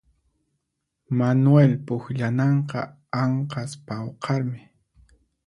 Manuel pukllananqa anqhas pawqarmi